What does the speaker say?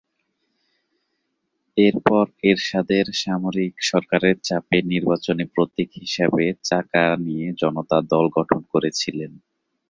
এর পর এরশাদের সামরিক সরকারের চাপে নির্বাচনী প্রতীক হিসাবে চাকা নিয়ে জনতা দল গঠন করেছিলেন।